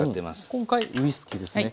今回ウイスキーですね。